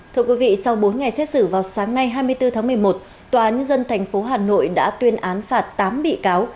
thưa quý vị sau bốn ngày xét xử vào sáng nay hai mươi bốn tháng một mươi một tòa nhân dân tp hà nội đã tuyên án phạt tám bị cáo